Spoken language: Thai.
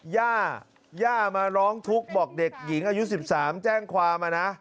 ย่าย่ามาร้องทุกข์บอกเด็กหญิงอายุ๑๓แจ้งความนะ